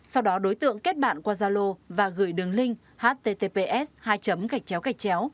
sau đó đối tượng kết bạn qua gia lô và gửi đường link